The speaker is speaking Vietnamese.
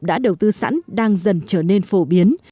đã đầu tư sẵn đang dần trở nên phổ biến